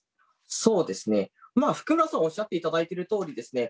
そうですね福村さんおっしゃっていただいてるとおりですね